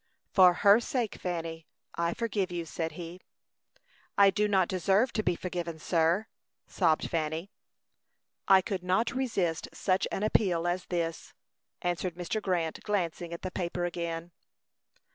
"For her sake, Fanny, I forgive you," said he. "I do not deserve to be forgiven, sir," sobbed Fanny. "I could not resist such an appeal as this," answered Mr. Grant, glancing at the paper again.